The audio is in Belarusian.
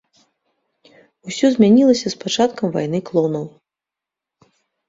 Усё змянілася з пачаткам вайны клонаў.